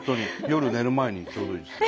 夜寝る前にちょうどいいです。